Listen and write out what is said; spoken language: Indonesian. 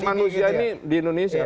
manusia ini di indonesia